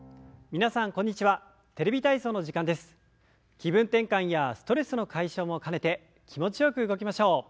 気分転換やストレスの解消も兼ねて気持ちよく動きましょう。